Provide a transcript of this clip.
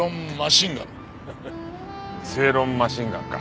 ハハ正論マシンガンか。